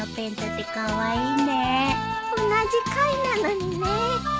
同じ貝なのにね。